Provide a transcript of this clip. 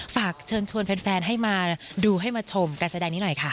ฝากเชิญชวนแฟนให้มาดูให้มาชมการแสดงนี้หน่อยค่ะ